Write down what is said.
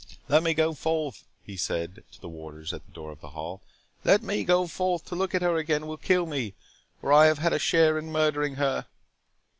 "Let me go forth," he said to the warders at the door of the hall,—"let me go forth!—To look at her again will kill me, for I have had a share in murdering her."